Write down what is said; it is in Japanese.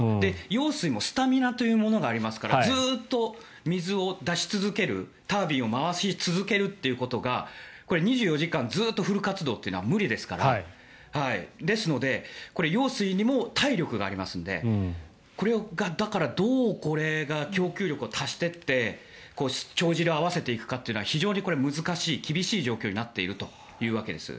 揚水もスタミナというものがありますからずっと水を出し続けるタービンを回し続けるということがこれ、２４時間ずっとフル活動というのは無理ですからですので、揚水にも体力がありますのでこれがどう供給力を足していって帳尻を合わせていくかは厳しい状況になっているというわけです。